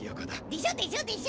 でしょでしょでしょ？